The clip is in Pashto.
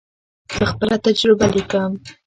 زه خپله تجربه لیکم.